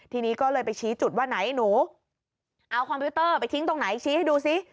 ทีนี้ก็เลยไปชี้จุดว่าไหนหนูเอาคอมพิวเตอร์ไปทิ้งตรงไหนชี้ให้ดูซิ